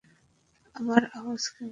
আমার আওয়াজ কেমন?